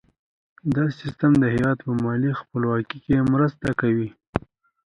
دا سیستم د هیواد په مالي خپلواکۍ کې مرسته کوي.